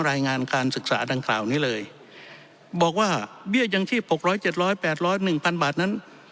รายงานการศึกษาดังกล่าวนี้เลยบอกว่าเบี้ยยังชีพ๖๐๐๗๐๐๘๐๐๑๐๐๐บาทนั้น